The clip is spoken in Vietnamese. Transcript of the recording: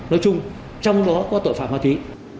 nói chung trong đó có tội phạm ma túy